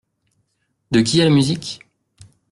De qui est la musique ?